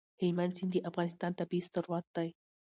هلمند سیند د افغانستان طبعي ثروت دی.